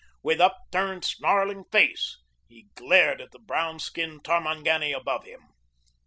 With upturned, snarling face he glared at the brown skinned Tarmangani above him.